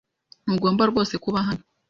Ntugomba rwose kuba hano.